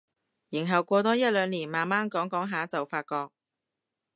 然後過多一兩年慢慢講講下就發覺